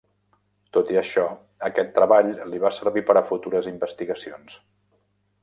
Tot i això aquest treball li va servir per a futures investigacions.